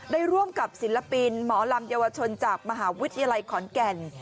ร่วมกับศิลปินหมอลำเยาวชนจากมหาวิทยาลัยขอนแก่น